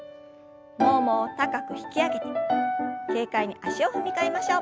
ももを高く引き上げて軽快に足を踏み替えましょう。